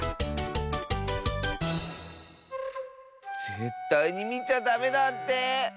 ぜったいにみちゃダメだって。